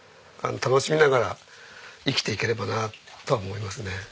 楽しみながら生きていければなとは思いますね。